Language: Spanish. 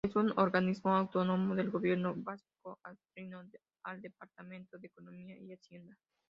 Es un organismo autónomo del Gobierno Vasco adscrito al Departamento de Economía y Hacienda.